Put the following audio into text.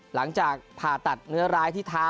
หลังจากผ่าตัดเนื้อร้ายที่เท้า